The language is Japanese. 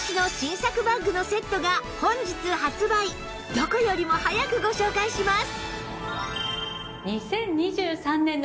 どこよりも早くご紹介します！